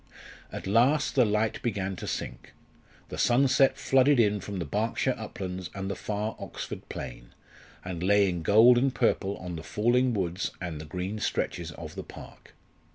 At last the light began to sink. The sunset flooded in from the Berkshire uplands and the far Oxford plain, and lay in gold and purple on the falling woods and the green stretches of the park.